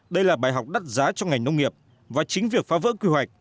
đây là bài học đắt giá cho ngành nông nghiệp và chính việc phá vỡ quy hoạch